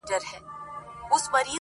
ما د عشق سبق ویلی ستا د مخ په سېپارو کي,